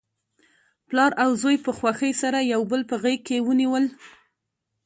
پلار او زوی په خوښۍ سره یو بل په غیږ کې ونیول.